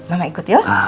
mama ikut yuk